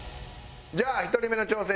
じゃあ１人目の挑戦。